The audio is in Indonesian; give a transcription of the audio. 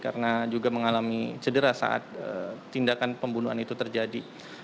karena juga mengalami cedera saat tindakan pembunuhan itu terjadi